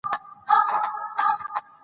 پوهنتونونه دې پښتو ادبیات تدریس کړي.